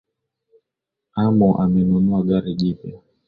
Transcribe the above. Amu amenunua gari jipya